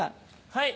はい。